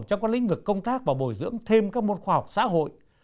trong các lĩnh vực công tác và bồi dưỡng thêm các môn khoa học xã hội